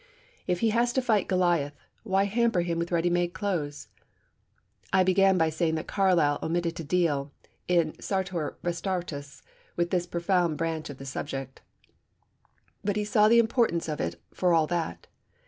If he has to fight Goliath, why hamper him with ready made clothes? I began by saying that Carlyle omitted to deal, in Sartor Resartus, with this profound branch of his subject. But he saw the importance of it for all that.